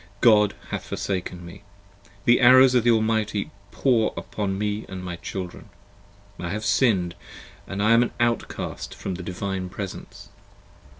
God hath forsaken me! The arrows of the Almighty pour upon me & my children ! 33 I have sinned and am an outcast from the Divine Presence